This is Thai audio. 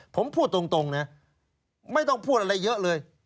ผมพูดตรงนะไม่ต้องพูดอะไรเยอะเลย